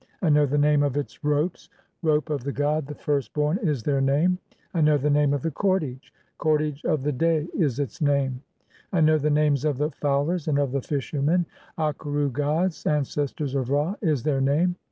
"I know the name of its ropes (?); 'Rope of the god, the rirst "born' [is their name]. (22) I know the name of the cordage(?); '"Cordage of the day' [is its name]. I know the names of the "fowlers and of the fishermen ; (23) 'Akeru gods, ancestors of "Ra' [is their name].